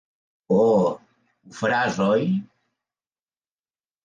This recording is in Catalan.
Oh, ho faràs, oi?